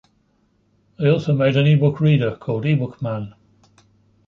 They also made an eBook reader called eBookMan.